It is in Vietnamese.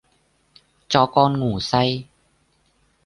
Cho con gủ say...